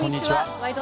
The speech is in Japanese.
「ワイド！